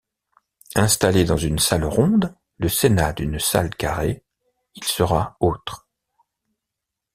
Installez dans une salle ronde le sénat d’une salle carrée, il sera autre.